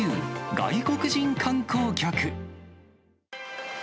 外国人観光客。